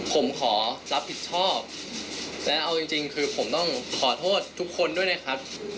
ผมขอรับผิดชอบและเอาจริงคือผมต้องขอโทษทุกคนด้วยนะครับ